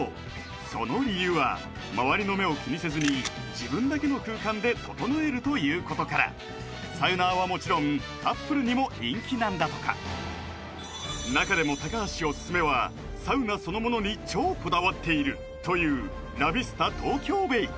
その理由は周りの目を気にせずに自分だけの空間でととのえるということからサウナーはもちろんカップルにも人気なんだとか中でも高橋オススメはサウナそのものに超こだわっているというラビスタ東京ベイ